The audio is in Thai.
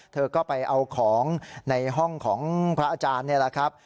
เธอก็ไปเอาของในห้องของพระอาจารย์นี่แหละครับ